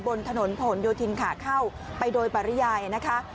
บนถนนผลโยธินขาเข้าไปโดยปริยายนะคะ